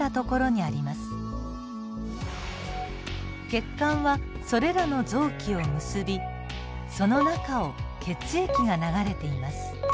血管はそれらの臓器を結びその中を血液が流れています。